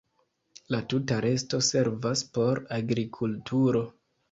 La tuta resto servas por agrikulturo.